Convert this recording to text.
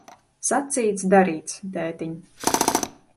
Sacīts, darīts, tētiņ.